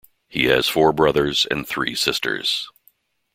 He has four brothers and three sisters.